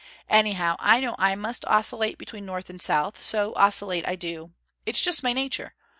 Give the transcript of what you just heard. Anyhow, I know I must oscillate between north and south, so oscillate I do. It's just my nature.